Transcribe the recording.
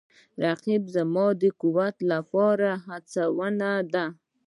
رقیب زما د قوت لپاره هڅونه ده